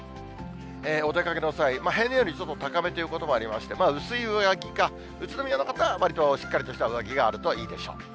お出かけの際、平年よりちょっと高めということもありまして、薄い上着か、宇都宮の方はわりとしっかりとした上着があるといいでしょう。